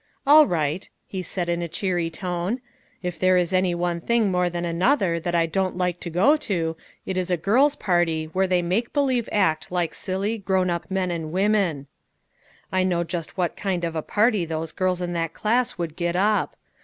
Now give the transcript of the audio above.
" All right," he said in a cheery tone. " If there is any one thing more than another that I don't like to go to, it is a girls' party where they make believe act like silly, grown up men and A BARGAIN AXD A PROMISE. 176 women. I know just about what kind of a party those girls in that class would get up.